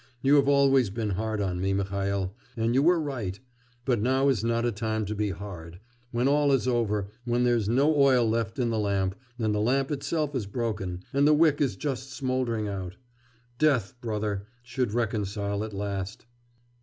You have always been hard on me, Mihail, and you were right; but now is not a time to be hard, when all is over, when there's no oil left in the lamp, and the lamp itself is broken, and the wick is just smouldering out. Death, brother, should reconcile at last...